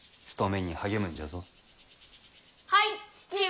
はい父上。